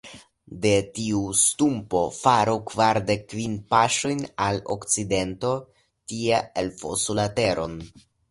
De tiu stumpo faru kvardek kvin paŝojn al okcidento, tie elfosu la teron.